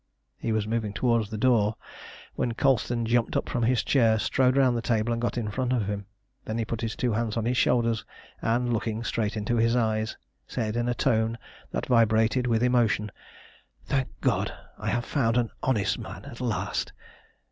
He was moving towards the door when Colston jumped up from his chair, strode round the table, and got in front of him. Then he put his two hands on his shoulders, and, looking straight into his eyes, said in a tone that vibrated with emotion "Thank God, I have found an honest man at last!